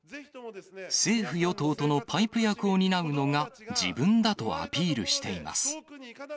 政府・与党とのパイプ役を担うのが自分だとアピールしています。